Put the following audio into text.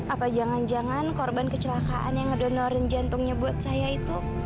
apa jangan jangan korban kecelakaan yang ngedonorin jantungnya buat saya itu